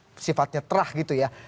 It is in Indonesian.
yang sifatnya terah gitu ya